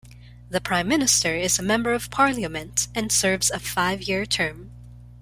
The prime minister is a member of parliament and serves a five-year term.